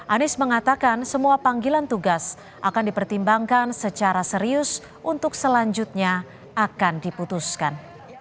anies mengatakan semua panggilan tugas akan dipertimbangkan secara serius untuk selanjutnya akan diputuskan